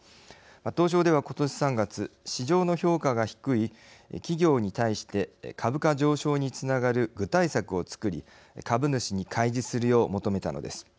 東証では今年３月市場の評価が低い企業に対して株価上昇につながる具体策を作り株主に開示するよう求めたのです。